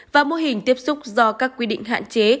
và mô hình tiếp xúc do các quy định hạn chế